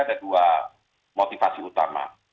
ada dua motivasi utama